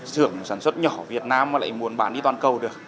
xưởng sản xuất nhỏ việt nam mà lại muốn bán đi toàn cầu được